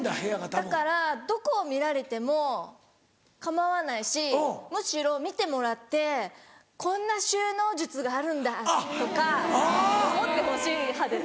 だからどこを見られても構わないしむしろ見てもらってこんな収納術があるんだ！とか思ってほしい派です。